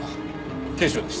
警視庁です。